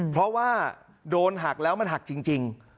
เพราะว่าโดนหักแล้วมันหักจริง